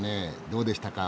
どうでしたか？